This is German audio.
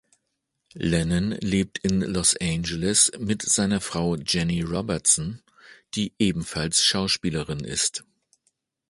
Lennon lebt in Los Angeles mit seiner Frau Jenny Robertson, die ebenfalls Schauspielerin ist.